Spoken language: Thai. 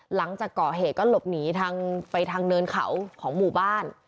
หลังจากก่อเหตุก็หลบหนีทางไปทางเนินเขาของหมู่บ้าน